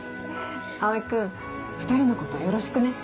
蒼君２人のことよろしくね。